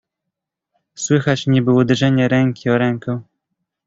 "Słychać niby uderzenie ręki o rękę."